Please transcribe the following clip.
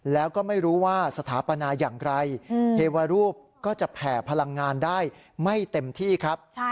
แล้วก็ไม่รู้ว่าสถาปนาอย่างไรเทวรูปก็จะแผ่พลังงานได้ไม่เต็มที่ครับ